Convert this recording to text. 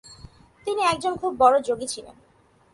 তিনি একজন খুব বড় যোগী ছিলেন।